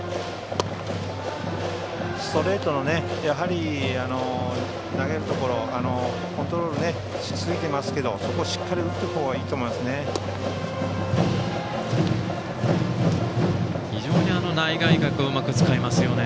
ストレートを投げるところコントロールしすぎてますけどそこをしっかり打っていくのがいいと思いますね。